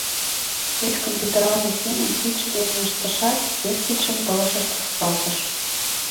Ручкым пӱтыралме семын кидше дене ыштышат, вес кидшым пылышыш тушкалтыш.